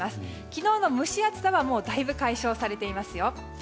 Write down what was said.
昨日の蒸し暑さはだいぶ解消されていますよ。